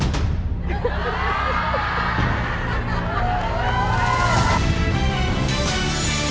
เกมต่อชีวิตสูงสุดถึง๑ล้านบาท